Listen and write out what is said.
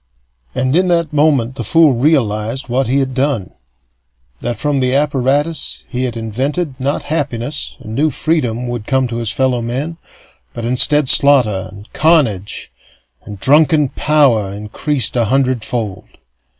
And in that moment the fool realized what he had done: that, from the apparatus he had invented, not happiness and new freedom would come to his fellow men, but instead slaughter and carnage and drunken power increased a hundredfold.